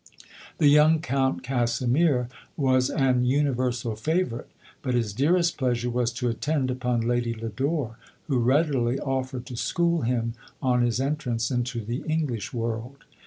The young Count Casimir was an universal favourite, but his dearest pleasure was to attend LODORE. 139 upon Lady Lodorc, who readily offered to school him on his entrance into the English world.